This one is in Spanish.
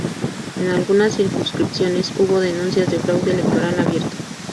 En algunas circunscripciones, hubo denuncias de fraude electoral abierto.